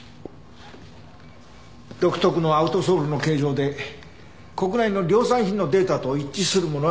独特のアウトソールの形状で国内の量産品のデータと一致するものはなかった。